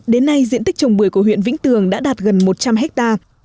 đến nay diện tích trồng bưởi của huyện vĩnh tường đã đạt gần một trăm linh hectare